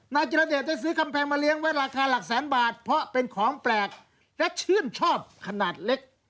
จิรเดชได้ซื้อคำแพงมาเลี้ยงไว้ราคาหลักแสนบาทเพราะเป็นของแปลกและชื่นชอบขนาดเล็ก